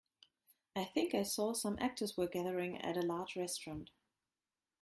I think I saw some actors were gathering at a large restaurant.